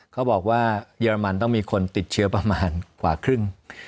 เขาบอกว่าเยอรมันต้องมีคนติดเชื้อประมาณกว่าครึ่ง